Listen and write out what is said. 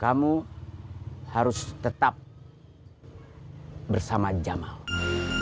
kamu harus tetap bersama jamal